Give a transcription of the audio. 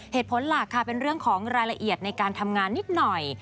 เหตุผลหลักค่ะเป็นเรื่องของรายละเอียดในการทำงานนิดหน่อย